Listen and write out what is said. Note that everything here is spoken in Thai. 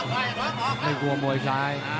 ไม่กลัวมวยซ้าย